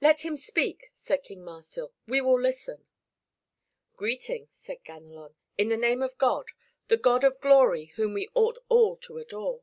"Let him speak," said King Marsil. "We will listen." "Greeting," said Ganelon, "in the name of God the God of glory whom we ought all to adore.